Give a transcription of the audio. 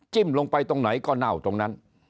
ลงไปตรงไหนก็เน่าตรงนั้น